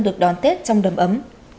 được đón tết trong đầm ấm